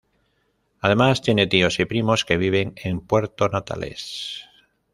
Además tiene tíos y primos que viven en Puerto Natales.